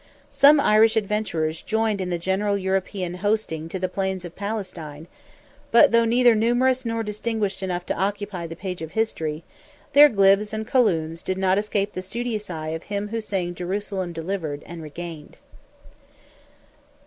Some Irish adventurers joined in the general European hosting to the plains of Palestine, but though neither numerous nor distinguished enough to occupy the page of history, their glibs and cooluns did not escape the studious eye of him who sang Jerusalem Delivered and Regained.